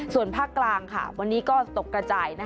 ส่วนภาคกลางวันนี้ก็ตกกระจาย